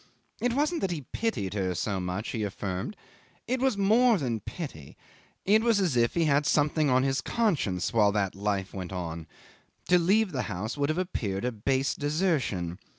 It wasn't that he pitied her so much, he affirmed; it was more than pity; it was as if he had something on his conscience, while that life went on. To leave the house would have appeared a base desertion.